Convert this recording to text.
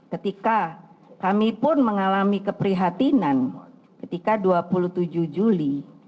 ketika kami pun mengalami keprihatinan ketika dua puluh tujuh juli